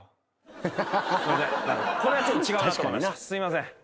すいません。